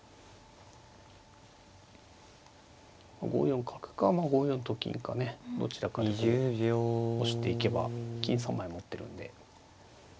５四角か５四と金かねどちらかで押していけば金３枚持ってるんで。